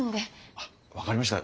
あっ分かりました。